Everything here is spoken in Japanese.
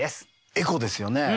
エコですよね。